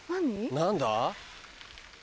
何だ？